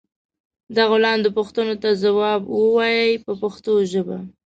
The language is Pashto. دغو لاندې پوښتنو ته ځواب و وایئ په پښتو ژبه.